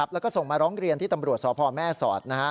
แล้วก็ส่งมาร้องเรียนที่ตำรวจสพแม่สอด